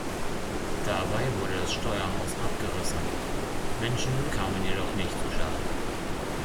Dabei wurde das Steuerhaus abgerissen, Menschen kamen jedoch nicht zu Schaden.